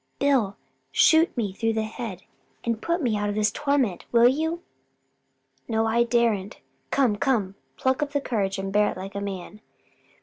Bill, shoot me through the head and put me out of this torment, will you?" "No, no, I daren't. Come, come, pluck up courage and bear it like a man."